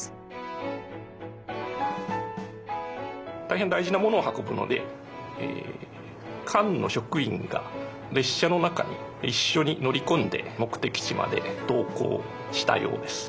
大変大事なものを運ぶので館の職員が列車の中に一緒に乗り込んで目的地まで同行したようです。